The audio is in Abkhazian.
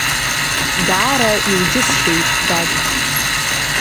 Даара иуџьысшьеит, дад…